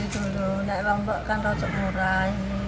nek lombok kan rokok murah